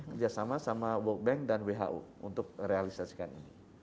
kerjasama sama world bank dan who untuk realisasikan ini